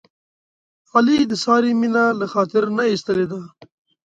علي د سارې مینه له خاطر نه ایستلې ده.